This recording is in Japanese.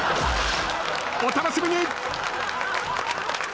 お楽しみに！